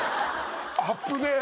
危ねえ！